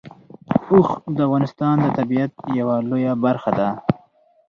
اوښ د افغانستان د طبیعت یوه لویه برخه ده.